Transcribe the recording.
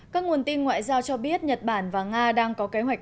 các nguồn tin ngoại giao cho biết nhật bản và nga đang có kế hoạch